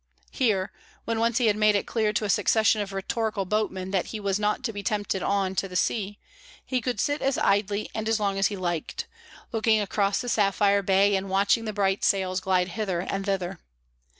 Here, when once he had made it clear to a succession of rhetorical boatmen that he was not to be tempted on to the sea, he could sit as idly and as long as he liked, looking across the sapphire bay and watching the bright sails glide hither and thither.